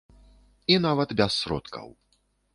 І нават без сродкаў.